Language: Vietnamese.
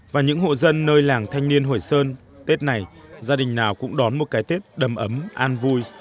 và những hộ dân nơi làng thanh niên hội sơn tết này gia đình nào cũng đón một cái tết đầm ấm an vui